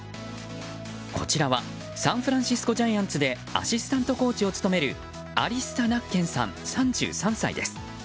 こちらはサンフランシスコ・ジャイアンツでアシスタントコーチを務めるアリサ・ナッケンさん３３歳です。